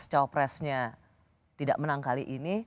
cawapresnya tidak menang kali ini